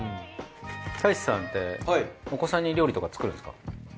太一さんってお子さんに料理とか作るんですか？